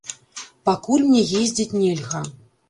Пакуль мне ездзіць нельга.